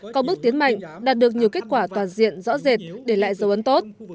có bước tiến mạnh đạt được nhiều kết quả toàn diện rõ rệt để lại dấu ấn tốt